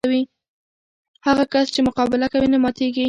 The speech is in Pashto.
هغه کس چې مقابله کوي، نه ماتېږي.